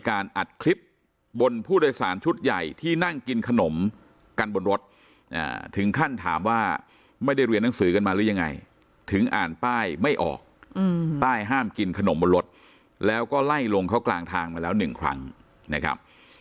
ไม่ได้เรียนหนังสือกันมาหรือยังไงถึงอ่านป้ายไม่ออกป้ายห้ามกินขนมบนรถแล้วก็ไล่ลงเขากลางทางมาแล้วหนึ่งครั้งนะครับ